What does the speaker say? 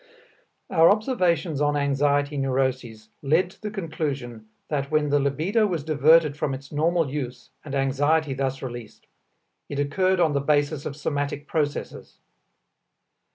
Our observations on anxiety neuroses led to the conclusion that when the libido was diverted from its normal use and anxiety thus released, it occurred on the basis of somatic processes.